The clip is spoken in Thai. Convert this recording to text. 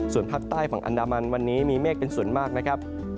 ส่วนภาคใต้ฝั่งอันดามันวันนี้มีเมฆเป็นส่วนมากนะครับ